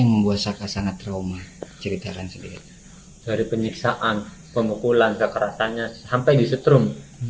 membuat saka sangat trauma ceritakan sendiri dari penyiksaan pemukulan kekerasannya sampai disetrum